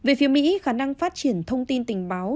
về phía mỹ khả năng phát triển thông tin tình báo